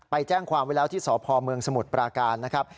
ไปแจ้งความไว้แล้วที่สพเมืองสมุทรปราการนะครับ